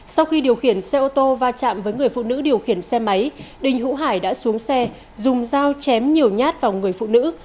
sau khi điều khiển xe ô tô va chạm với người phụ nữ điều khiển xe máy đình hữu hải đã xuống xe dùng dao chém nhiều nhát vào người phụ nữ